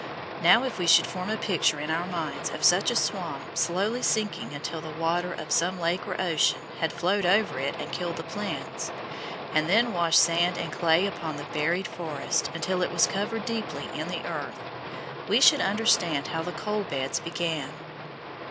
Now, if we should form a picture in our minds of such a swamp slowly sinking until the water of some lake or ocean had flowed over it and killed the plants, and then washed sand and clay upon the buried forest until it was covered deeply in the earth, we should understand how the coal beds began.